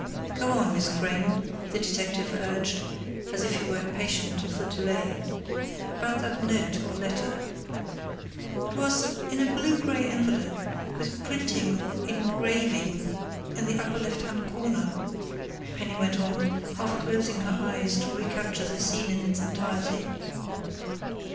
"Go on, Miss Crain," the detective urged, as if he were impatient of the delay. "About that note or letter " "It was in a blue grey envelope, with printing or engraving in the upper left hand corner," Penny went on, half closing her eyes to recapture the scene in its entirety.